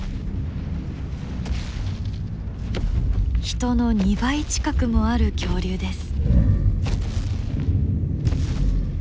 人の２倍近くもある恐竜です。